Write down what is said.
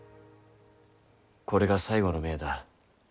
これが最後の命だ。